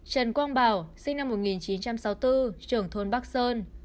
trần quang bảo sinh năm một nghìn chín trăm sáu mươi bốn trưởng thôn bắc sơn